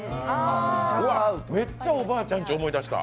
うわっ、めっちゃおばあちゃんち思い出した。